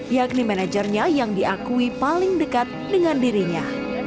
yakni manajernya yang diakui paling dekat dengan dirinya